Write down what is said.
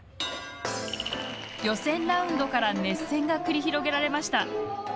予選ラウンドから熱戦が繰り広げられました。